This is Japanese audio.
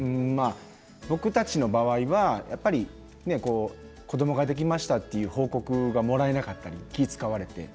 僕たちの場合は子どもができましたという報告がもらえなかったり気を遣われて。